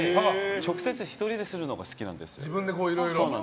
直接１人でするのが好きなんです。